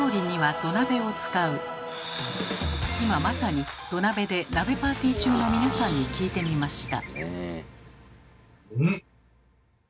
今まさに土鍋で鍋パーティー中の皆さんに聞いてみました。